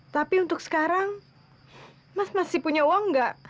tapi untuk sekarang mas masih punya uang nggak